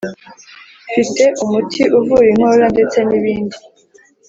mfite umuti uvura inkorora ndetse nibindi